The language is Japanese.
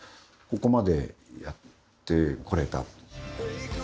ここまでやってこれた。